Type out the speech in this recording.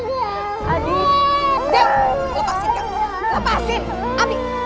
lepaskan dia lepaskan